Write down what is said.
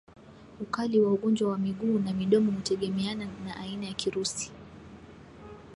Ukali wa ugonjwa wa miguu na midomo hutegemeana na aina ya kirusi